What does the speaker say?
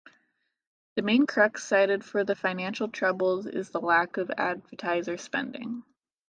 The main crux cited for the financial troubles is the lack of advertiser spending.